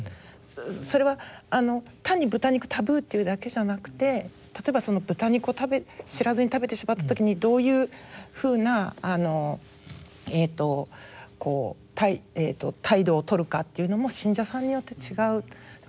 それは単に豚肉タブーっていうだけじゃなくて例えば豚肉を知らずに食べてしまった時にどういうふうな態度をとるかっていうのも信者さんによって違う。